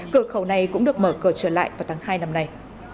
cửa khẩu này cũng được mở cửa trở lại vào tháng hai năm nay